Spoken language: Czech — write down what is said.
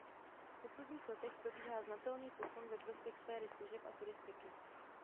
V posledních letech probíhá znatelný posun ve prospěch sféry služeb a turistiky.